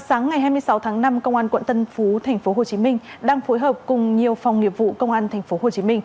sáng ngày hai mươi sáu tháng năm công an quận tân phú tp hcm đang phối hợp cùng nhiều phòng nghiệp vụ công an tp hcm